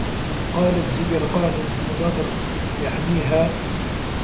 قَالَ الزِّبْرِقَانُ بْنُ بَدْرٍ يَعْنِيهَا